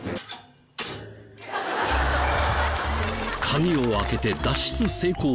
鍵を開けて脱出成功！